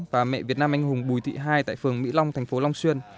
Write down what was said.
và mẹ việt nam anh hùng bùi thị hai tại phường mỹ long thành phố long xuyên